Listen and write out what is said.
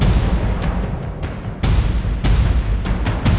tidak ada yang bisa dihukum